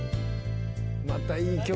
またいい曲。